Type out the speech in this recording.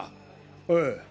ええ。